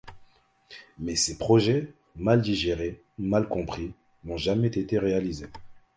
Mais ces projets, mal digérés, mal compris, n'ont jamais été réalisés.